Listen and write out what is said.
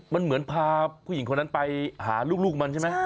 มันเหมือนพาผู้หญิงคนนั้นไปหาลูกมันใช่ไหม